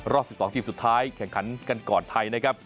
รอบ๑๒ทีมสุดท้ายแข่งขันกันก่อนไทยนะครับ